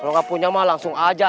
kalau nggak punya mah langsung aja